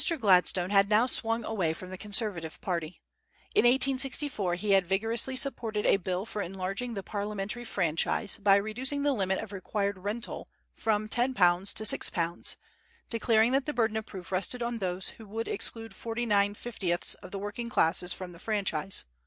Gladstone had now swung away from the Conservative party. In 1864 he had vigorously supported a bill for enlarging the parliamentary franchise by reducing the limit of required rental from £10 to £6, declaring that the burden of proof rested on those who would exclude forty nine fiftieths of the working classes from the franchise.